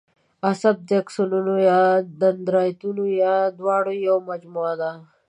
عصب د آکسونونو یا دندرایتونو یا د دواړو یوه مجموعه ده.